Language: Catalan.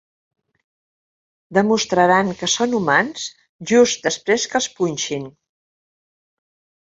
Demostraran que són humans, just després que els punxin.